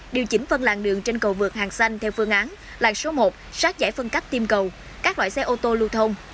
điều chỉnh phân làng đường trên cầu vượt hàng xanh theo phương án làng số một sát giải phân cách tiêm cầu các loại xe ô tô lưu thông